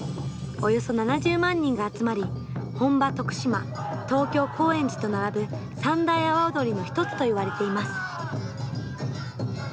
およそ７０万人が集まり本場・徳島、東京・高円寺と並ぶ三大阿波踊りの１つといわれています。